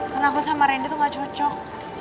karena aku sama rene tuh gak cocok